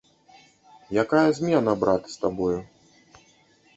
Якая змена, брат, з табою?